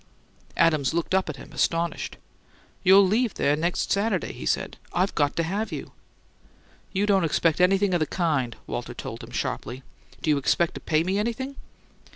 Adams looked up at him, astonished. "You'll leave there next Saturday," he said. "I've got to have you." "You don't anything o' the kind," Walter told him, sharply. "Do you expect to pay me anything?"